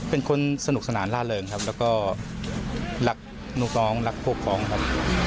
เป็นคนสนุกสนานล่าเริงครับแล้วก็รักลูกน้องรักพวกพ้องครับ